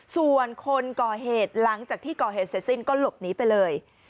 ส่วนคนก่อเหตุหลังจากที่ก่อเหตุเสร็จสิ้นก็หลบหนีไปเลย